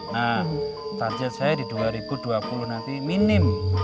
nah target saya di dua ribu dua puluh nanti minim